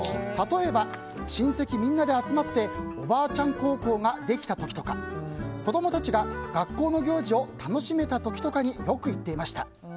例えば、親戚みんなで集まっておばあちゃん孝行ができた時とか子供たちが学校の行事を楽しめた時とかによく言っていました。